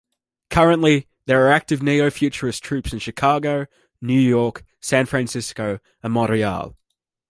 Currently, there are active Neo-Futurist troupes in Chicago, New York, San Francisco, and Montreal.